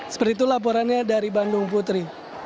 seperti itu laporannya dari bandung putri